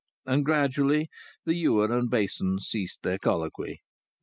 And gradually the ewer and basin ceased their colloquy.